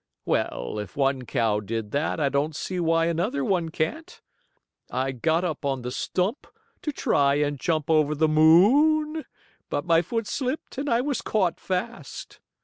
Well, if one cow did that, I don't see why another one can't. I got up on the stump, to try and jump over the moon, but my foot slipped and I was caught fast.